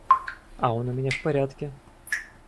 А он у меня в порядке.